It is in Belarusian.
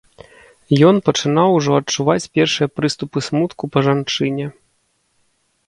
Ён пачынаў ужо адчуваць першыя прыступы смутку па жанчыне.